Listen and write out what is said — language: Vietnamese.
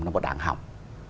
là một đảng hỏng